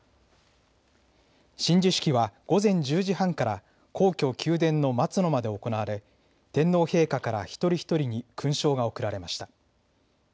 親授式は午前１０時半から皇居・宮殿の松の間で行われ天皇陛下から一人一人に勲章が贈られました。